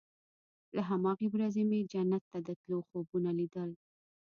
له هماغې ورځې مې جنت ته د تلو خوبونه ليدل.